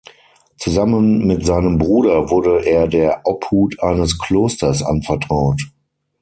Zusammen mit seinem Bruder wurde er der Obhut eines Klosters anvertraut.